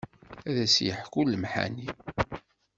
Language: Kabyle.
Ad as-yeḥku lemḥani.